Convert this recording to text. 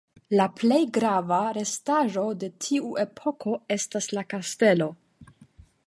La plej grava restaĵo de tiu epoko estas la kastelo.